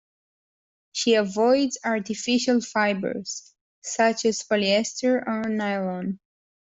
She avoids artificial fibres such as polyester or nylon.